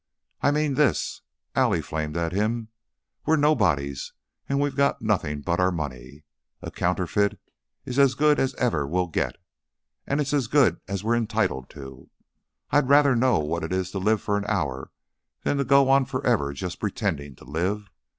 "I mean this," Allie flamed at him. "We're nobodies and we've got nothing but our money. A counterfeit is as good as ever we'll get and it's as good as we're entitled to. I'd rather know what it is to live for an hour than to go on forever just pretending to live.